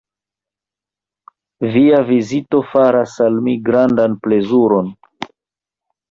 Via vizito faras al mi grandan plezuron.